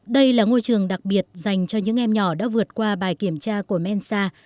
đây là ngôi trường đặc biệt dành cho những em nhỏ đã vượt qua bài kiểm tra của mensa